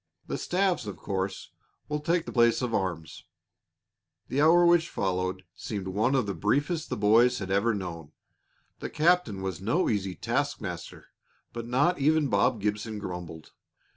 The staves, of course, will take the place of arms." The hour which followed seemed one of the briefest the boys had ever known. The captain was no easy taskmaster, but not even Bob Gibson grumbled.